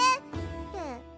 って。